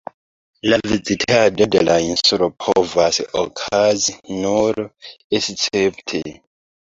La vizitado de la insulo povas okazi nur escepte.